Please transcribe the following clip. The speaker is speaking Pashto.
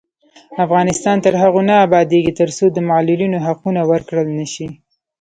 افغانستان تر هغو نه ابادیږي، ترڅو د معلولینو حقونه ورکړل نشي.